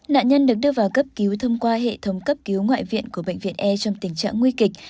nạn nhân được đưa vào cấp cứu thông qua hệ thống cấp cứu ngoại viện của bệnh viện e trong tình trạng nguy kịch